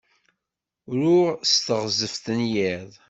Ruɣ s teɣzef n yiḍ.